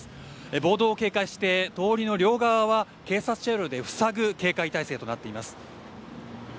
暴動を警戒して通りの両側は警察車両で塞ぐ警戒態勢になっています。